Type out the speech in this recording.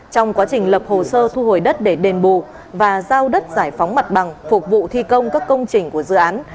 trong quá trình lập hồ sơ thu hồi đất để đền bù và giao đất giải phóng mặt bằng phục vụ thi công các công trình của dự án